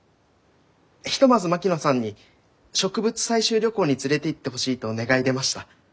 ひとまず槙野さんに植物採集旅行に連れていってほしいと願い出ました。